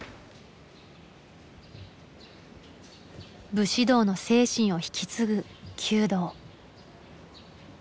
武士道の精神を引き継ぐ弓道。